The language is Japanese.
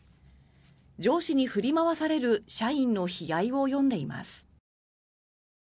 上司に振り回される社員の悲哀を詠んでいます。